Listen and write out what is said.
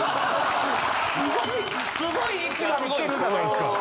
すごいいい位置まで来てるじゃないですか。